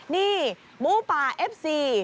นี่หมูป่าเอฟซี